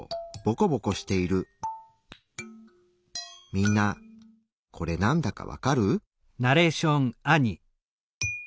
みんなこれなんだかわかる？